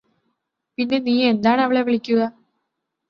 പിന്നെ നീയെന്താണ് അവളെ വിളിക്കുക